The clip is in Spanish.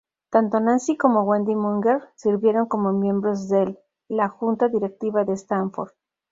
Tanto Nancy como Wendy Munger sirvieron como miembros del la junta directiva de Stanford.